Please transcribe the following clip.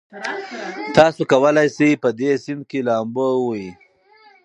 تاسي کولای شئ په دې سیند کې لامبو ووهئ.